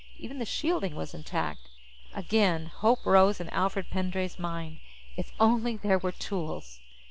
Even the shielding was intact. Again, hope rose in Alfred Pendray's mind. If only there were tools!